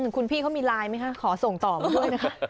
คุณพี่เขามีไลน์ไหมคะขอส่งต่อมาด้วยนะคะ